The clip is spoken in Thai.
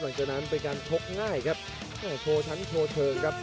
หลังจากนั้นไปการชกง่ายครับโชว์ฉันโชว์เชิงครับ